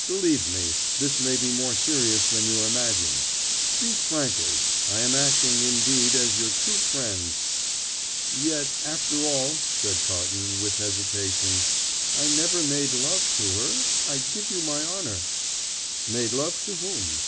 Believe me, this may be more serious than you imagine. Speak frankly. I am acting, indeed, as your true friend." "Yet, after all," said Carton, with hesitation, "I never made love to her, I give you my honour." "Made love to whom?